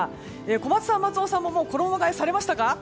小松さん、松尾さんももう衣替えされましたか？